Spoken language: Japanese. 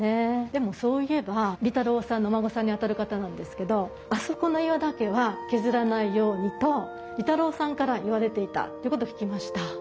でもそういえば利太郎さんのお孫さんにあたる方なんですけど「あそこの岩だけは削らないように」と利太郎さんから言われていたってこと聞きました。